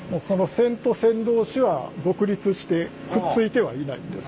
線と線同士は独立してくっついてはいないんです。